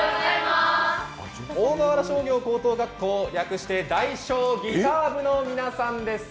大河原商業高等学校、略して大商ギター部の皆さんです。